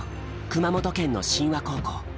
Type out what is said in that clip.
熊本県の真和高校。